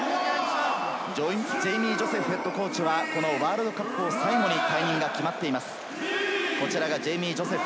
ジェイミー・ジョセフＨＣはワールドカップを最後に退任が決まっています。